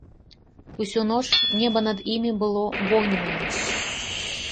Усю ноч неба над імі было вогненнае.